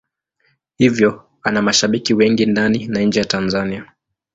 Hivyo ana mashabiki wengi ndani na nje ya Tanzania.